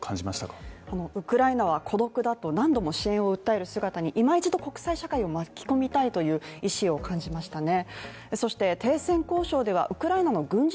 このウクライナは孤独だと何度も支援を訴える姿に今一度国際社会を巻き込みたいという意志を感じましたね